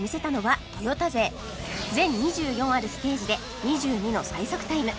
全２４あるステージで２２の最速タイム